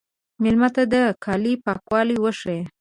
مېلمه ته د کالي پاکوالی وښیه.